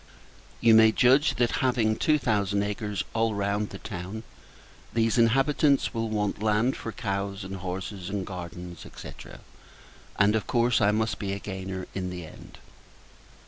You may judge that, having two thousand acres all round the town, these inhabitants will want land for cows and horses, and gardens, &c. and, of course, I must be a gainer in the end.